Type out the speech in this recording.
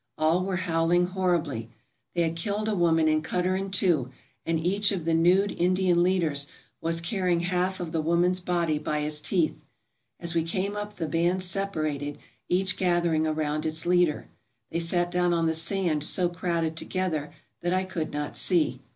All were howling horribly. They had killed a woman and cut her in two and each of the nude Indian leaders was carrying half of the woman's body by his teeth. As we came up the bands separated, each gathering around its leader. They sat down on the sand so crowded together that I could not see.